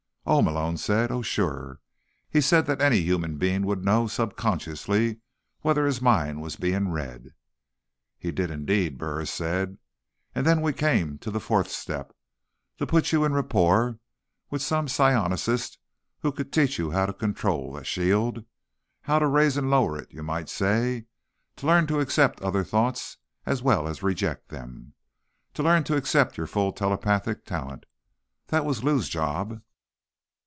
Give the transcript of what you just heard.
"Oh," Malone said. "Oh, sure. He said that any human being would know, subconsciously, whether his mind was being read." "He did, indeed," Burris said. "And then we came to the fourth step: to put you in rapport with some psionicist who could teach you how to control the shield, how to raise and lower it, you might say. To learn to accept other thoughts, as well as reject them. To learn to accept your full telepathic talent. That was Lou's job."